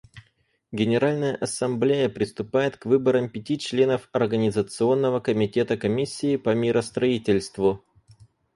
Генеральная Ассамблея приступает к выборам пяти членов Организационного комитета Комиссии по миростроительству.